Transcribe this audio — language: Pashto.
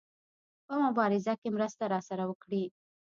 په مبارزه کې مرسته راسره وکړي.